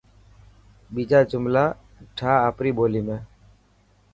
ٻيجا جملا ٺاهه آپري ٻولي ۾.